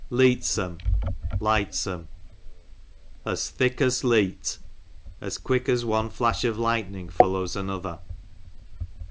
Leettmin, lightsome, Ob thick os Leet, as quick as one flash of lightning /o/ lows another.